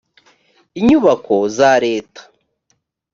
inyubako za leta